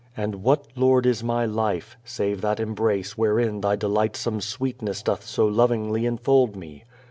And what, Lord, is my life, save that embrace wherein Thy delightsome sweetness doth so lovingly enfold me?"